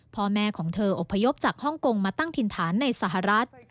พ่อแม่ของเธออบพยพจากฮ่องกงมาตั้งถิ่นฐานในสหรัฐ